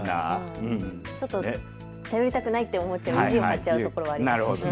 ちょっと頼りたくないって思っちゃう、意地になっちゃうところがありますね。